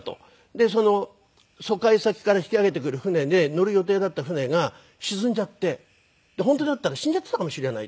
でその疎開先から引き揚げてくる船で乗る予定だった船が沈んじゃってで本当だったら死んじゃっていたかもしれない。